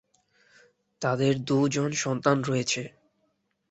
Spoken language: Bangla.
তাদের দুজন সন্তান রয়েছে।